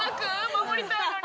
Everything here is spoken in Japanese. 守りたいのに。